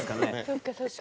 そっかそっか。